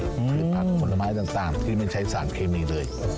คือผักผลไม้ต่างที่ไม่ใช้สารเคมีเลย